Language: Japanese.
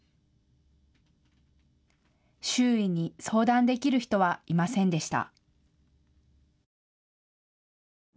周囲に相談できる人はいませんでした。